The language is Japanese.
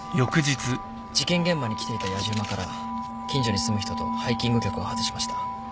事件現場に来ていたやじ馬から近所に住む人とハイキング客を外しました。